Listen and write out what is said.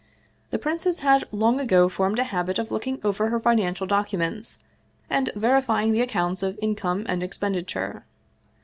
The princess had long ago formed a habit of looking over her financial documents, and verifying the accounts of in come and expenditure.